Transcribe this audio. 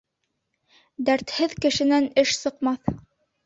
Дәртһеҙ кешенән эш сыҡмаҫ.